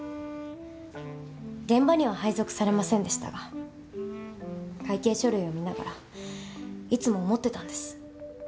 現場には配属されませんでしたが会計書類を見ながらいつも思ってたんです。